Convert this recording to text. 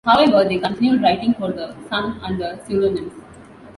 However, they continued writing for the "Sun" under pseudonyms.